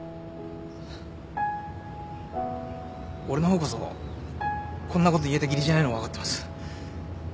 俺の方こそこんなこと言えた義理じゃないの分かってます。